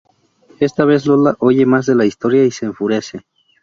Esta vez Lola oye más de la historia y se enfurece.